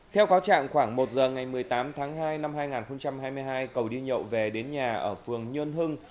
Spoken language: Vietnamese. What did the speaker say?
theo cáo trạng khoảng một giờ ngày một mươi tám tháng hai năm hai nghìn hai mươi hai cầu đi nhậu về đến nhà ở phường nhơn hưng